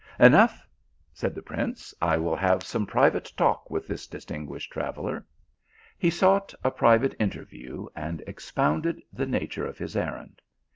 " Enough," said the prince, " I will have some private talk with this distinguished traveller." He sought a private interview, and expounded the nature of his errand.